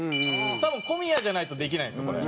多分小宮じゃないとできないんですよこれ。